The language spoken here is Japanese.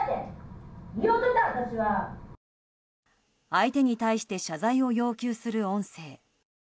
相手に対して謝罪を要求する音声。